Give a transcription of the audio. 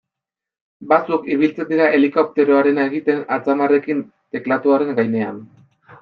Batzuk ibiltzen dira helikopteroarena egiten atzamarrarekin teklatuaren gainean.